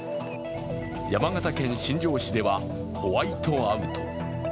山形県新庄市ではホワイトアウト。